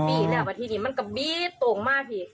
ปิ่งแล้วกับที่นี่มันกระบี๊ดตรงมากที